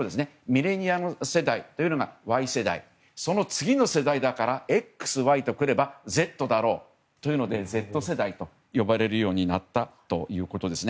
ミレニアル世代というのがＹ世代、次の世代だからＸ、ＹとくればＺだろうというのでＺ世代と呼ばれるようになったということです。